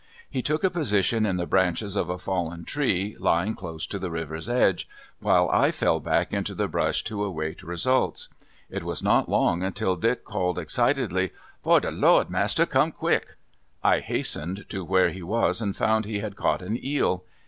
He took a position in the branches of a fallen tree lying close to the water's edge, while I fell back into the brush to await results. It was not long until Dick called, excitedly, "Fo' de Lawd, massa, come quick." I hastened to where he was and found he had caught an eel.